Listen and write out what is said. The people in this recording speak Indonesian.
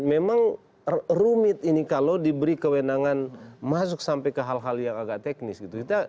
memang rumit ini kalau diberi kewenangan masuk sampai ke hal hal yang agak teknis gitu